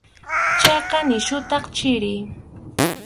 Chayqa nisyutaq chiri.